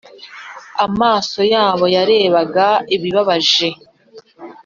amaso yabo yarebaga bibabaje.